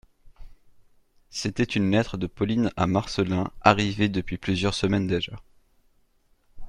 C'était une lettre de Pauline à Marcelin, arrivée depuis plusieurs semaines déjà.